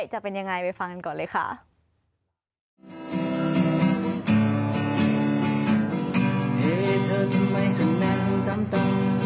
จะเป็นยังไงไปฟังกันก่อนเลยค่ะ